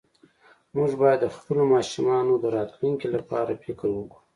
مونږ باید د خپلو ماشومانو د راتلونکي لپاره فکر وکړو